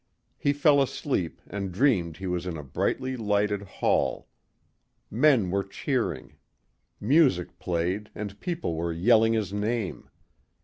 He fell asleep and dreamed he was in a brightly lighted hall. Men were cheering. Music played and people were yelling his name.